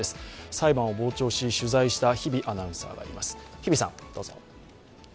裁判を傍聴し取材した日比アナウンサーがいます。